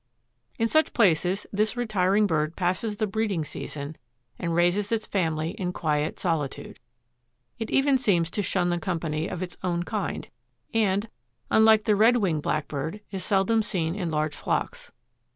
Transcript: In such places this retiring bird passes the breeding season and raises its family in quiet solitude. It even seems to shun the company of its own kind and, unlike the red winged blackbird, is seldom seen in large flocks.